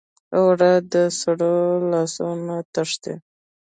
اوړه د سړو لاسو نه تښتي